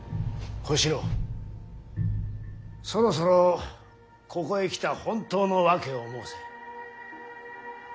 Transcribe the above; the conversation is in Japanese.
小四郎そろそろここへ来た本当の訳を申せ。